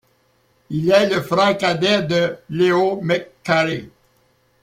Il est le frère cadet de Leo McCarey.